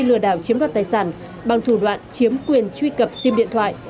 lừa đảo chiếm đoạt tài sản bằng thủ đoạn chiếm quyền truy cập sim điện thoại